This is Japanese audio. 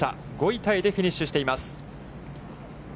５位タイでフィニッシュしています。